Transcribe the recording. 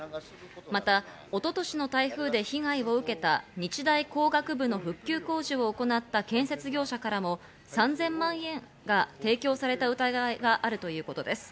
また一昨年の台風で被害を受けた日大工学部の復旧工事を行った建設業者からも３０００万円が提供された疑いがあるということです。